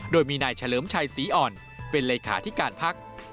โดยมีนายเฉลิมชัยศรีอ่อนเป็นเลขาธิการพัก